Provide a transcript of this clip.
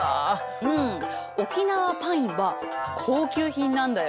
うん沖縄パインは高級品なんだよ。